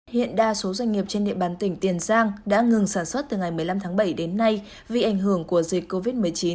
hiện đa số doanh nghiệp trên địa bàn tỉnh tiền giang đã ngừng sản xuất từ ngày một mươi năm tháng bảy đến nay vì ảnh hưởng của dịch covid một mươi chín